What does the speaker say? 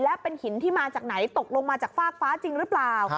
และเป็นหินที่มาจากไหนตกลงมาจากฟากฟ้าจริงหรือเปล่า